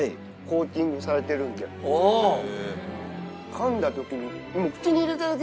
かんだ時に。